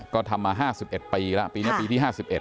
ก็ทำมา๕๑ปีแล้วปีนี้ปีที่๕๑